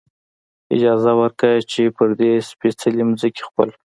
اجازه ورکړه، چې پر دې سپېڅلې ځمکې خپل.